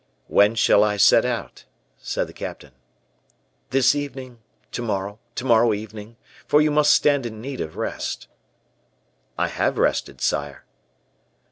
"When shall I set out?" said the captain. "This evening to morrow to morrow evening; for you must stand in need of rest." "I have rested, sire."